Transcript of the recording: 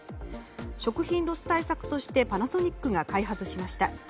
食品ロス対策としてパナソニックが開発しました。